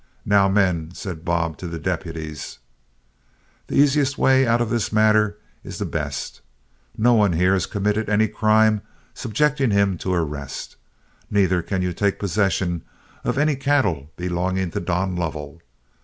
"Now, men," said Bob to the deputies, "the easiest way out of this matter is the best. No one here has committed any crime subjecting him to arrest, neither can you take possession of any cattle belonging to Don Lovell.